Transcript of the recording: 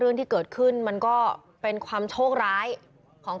ไอ้ตายไอ้ในประดิษฐ์ไม่คิด